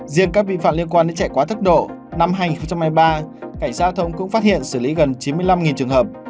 riêng các vi phạm liên quan đến chạy quá tốc độ năm hai nghìn hai mươi ba cảnh giao thông cũng phát hiện xử lý gần chín mươi năm trường hợp